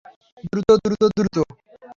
দ্রুত, দ্রুত, দ্রুত!